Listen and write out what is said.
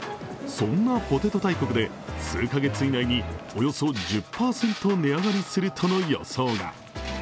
そんなポテト大国で数カ月以内におよそ１０％値上がりするとの予想が。